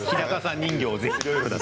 人形ぜひ。